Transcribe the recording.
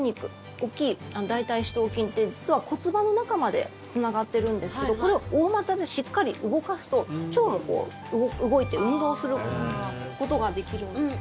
大きい、大腿四頭筋って実は骨盤の中までつながってるんですけどこれを大股でしっかり動かすと腸も動いて運動することができるんです。